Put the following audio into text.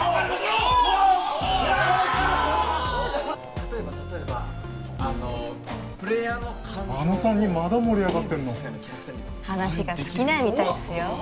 例えば例えばあのプレイヤーのあの３人まだ盛り上がってんの話が尽きないみたいっすよ